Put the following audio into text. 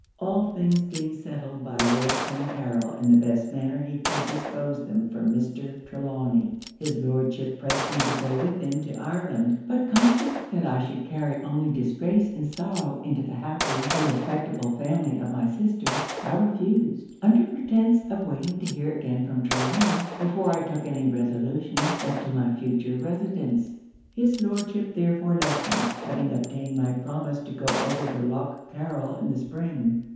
'All things being settled by Lord Clancarryl in the best manner he could dispose them for Mr. Trelawny, his Lordship pressed me to go with him to Ireland; but conscious that I should carry only disgrace and sorrow into the happy and respectable family of my sister, I refused, under pretence of waiting to hear again from Trelawny before I took any resolution as to my future residence. 'His Lordship therefore left me, having obtained my promise to go over to Lough Carryl in the spring.